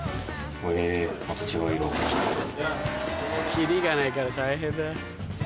切りがないから大変だ。